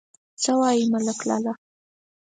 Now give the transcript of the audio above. _څه وايې ملک لالا ؟